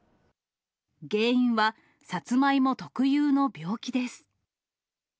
原因は、サツマイモ特有の病気です。